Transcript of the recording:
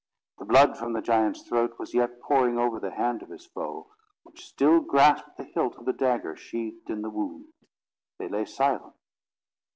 The blood from the giant's throat was yet pouring over the hand of his foe, which still grasped the hilt of the dagger sheathed in the wound. They lay silent.